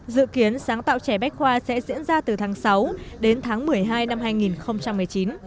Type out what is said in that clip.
dự kiến sáng tạo trẻ bách khoa sẽ diễn ra từ tháng sáu đến tháng một mươi hai năm hai nghìn một mươi chín